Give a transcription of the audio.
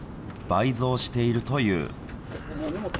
倍増しているという。